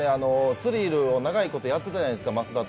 「スリル」を長いことやってたじゃないですか、益田と。